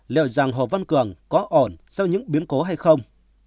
liệu rằng hồ văn cường có ổn sau những biến cố hay không